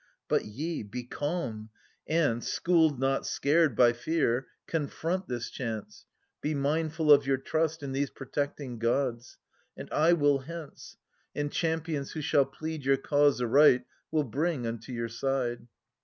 But ye, be calm, and, schooled not scared by fear, Confront this chance, be mindful of your trust In these protecting gods. And I will hence, And champions who shall plead your cause aright ^Vill bring unto your side.